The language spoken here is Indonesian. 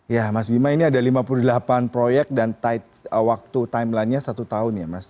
ya mas bima ini ada lima puluh delapan proyek dan waktu timeline nya satu tahun ya mas